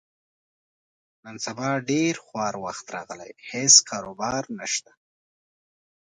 نن سبا ډېر خوار وخت راغلی، هېڅ کاروبار نشته.